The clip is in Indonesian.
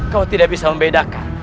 kau tidak bisa membedakan